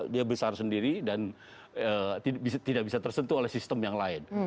dia besar sendiri dan tidak bisa tersentuh oleh sistem yang lain